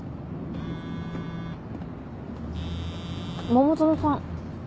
桃園さん。